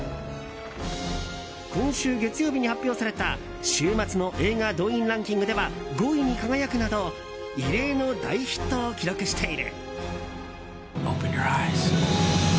今週月曜日に発表された週末の映画動員ランキングでは５位に輝くなど異例の大ヒットを記録している。